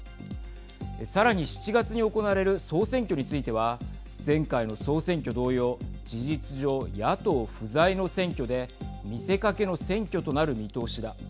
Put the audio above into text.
さらに７月に行われる総選挙については前回の総選挙同様、事実上野党不在の選挙で見せかけの選挙となる見通しだ。